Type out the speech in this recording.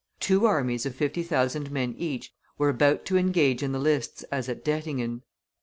Two armies of fifty thousand men each were about to engage in the lists as at Dettingen.